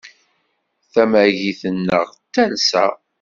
Tamagit-nneɣ d talsa.